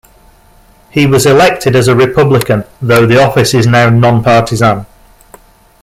He was elected as a Republican, though the office is now nonpartisan.